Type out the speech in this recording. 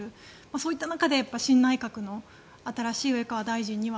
そういった中で、新内閣の新しい、上川大臣には